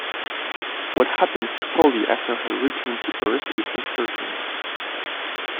What happens to Polly after her return to Earth is not certain.